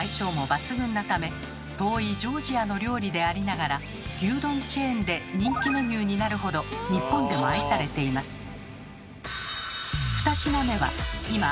遠いジョージアの料理でありながら牛丼チェーンで人気メニューになるほど日本でも愛されています。